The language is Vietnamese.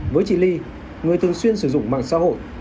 với chị ly người thường xuyên sử dụng mạng xã hội